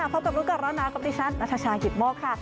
สวัสดีค่ะพบกับรูดกับหล้อน้ำกลุ่มติชันณฑชาหิตหมอค่ะ